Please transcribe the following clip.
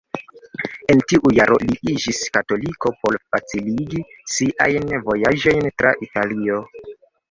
En tiu jaro, li iĝis katoliko por faciligi siajn vojaĝojn tra Italio.